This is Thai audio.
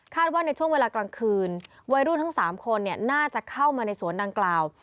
ว่าในช่วงเวลากลางคืนวัยรุ่นทั้ง๓คนน่าจะเข้ามาในสวนดังกล่าว